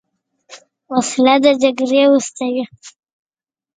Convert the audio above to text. وسله د جګړې اوږدوې